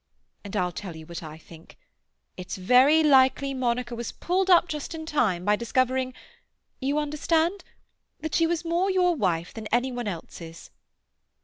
And I'll tell you what I think: it's very likely Monica was pulled up just in time by discovering—you understand?—that she was more your wife than any one else's.